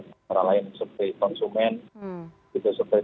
antara lain survei konsumen survei penjualan eceran